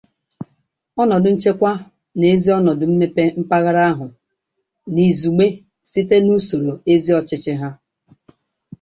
ọnọdụ nchekwa na ezi ọnọdụ mmepe mpaghara ahụ n'izugbe site n'usòro ezi ọchịchị ha